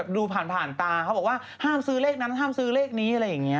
ดูผ่านตาเขาบอกว่าห้ามซื้อเลขนั้นห้ามซื้อเลขนี้อะไรอย่างนี้